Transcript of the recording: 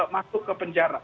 masuk ke penjara